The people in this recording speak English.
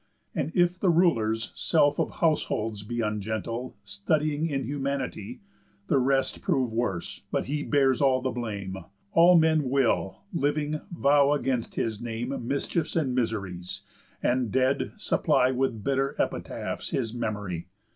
_ And if the ruler's self of households be Ungentle, studying inhumanity, The rest prove worse, but he bears all the blame; All men will, living, vow against his name Mischiefs and miseries, and, dead, supply With bitter epitaphs his memory.